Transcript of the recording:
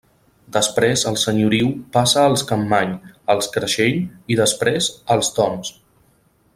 Després el senyoriu passa als Campmany, als Creixell i després als d'Oms.